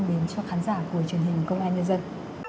đến cho khán giả của truyền hình công an nhân dân